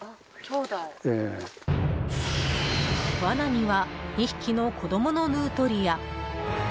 罠には２匹の子供のヌートリア。